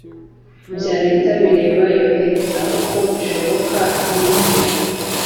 bya leta bireba yorohereza uko bishoboka iyinjira